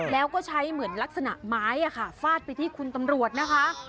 แล้วก็ใช้เหมือนลักษณะไม้ฟาดไปที่คุณตำรวจนะคะ